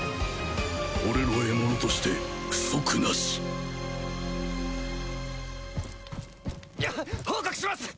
俺の獲物として不足なし報告します！